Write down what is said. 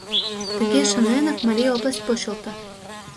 Тыге шоненак, Марий область почылто.